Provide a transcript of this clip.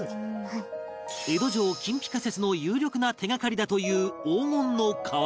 江戸城金ピカ説の有力な手がかりだという黄金の瓦